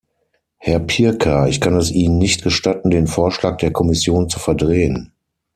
Herr Pirker, ich kann es Ihnen nicht gestatten, den Vorschlag der Kommission zu verdrehen.